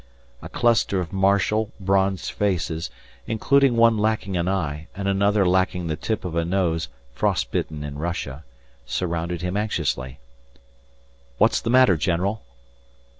A cluster of martial, bronzed faces, including one lacking an eye and another lacking the tip of a nose frost bitten in Russia, surrounded him anxiously. "What's the matter, general?"